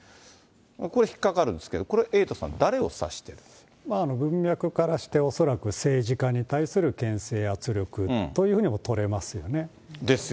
これ、引っ掛かるんですけど、これ、エイトさん、文脈からして、恐らく政治家に対する憲政圧力というふうにも取れますよね。